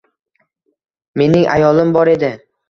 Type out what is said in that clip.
Mening ayolim bor edi.